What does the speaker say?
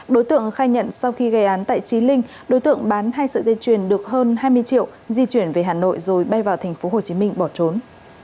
đối tượng khai nhận sau khi gây án tại chí linh đối tượng bán hai sợi dây chuyền được hơn hai mươi triệu di chuyển về hà nội rồi bay vào tp hồ chí minh bỏ trốn